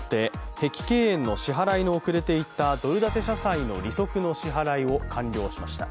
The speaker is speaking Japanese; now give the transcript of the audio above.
碧桂園の支払いの遅れていたドル建て社債の利息の支払いを完了しました。